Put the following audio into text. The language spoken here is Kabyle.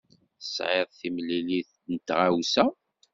Tesɛiḍ timlilit d tɣamsa.